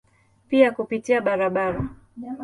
Pia kupitia barabara.